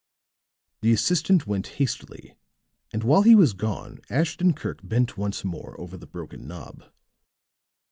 The assistant went hastily, and while he was gone, Ashton Kirk bent once more over the broken knob.